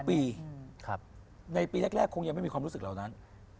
ปีในปีแรกคงยังไม่มีความรู้สึกเหล่านั้น